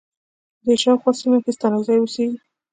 په دې شا او خواه سیمه کې ستانکزی اوسیږی.